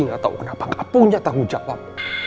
gak tahu kenapa gak punya tanggung jawab